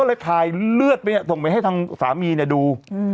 เลยถ่ายเลือดไปส่งไปให้ทางสามีเนี่ยดู